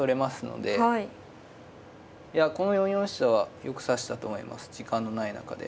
いやこの４四飛車はよく指したと思います時間のない中で。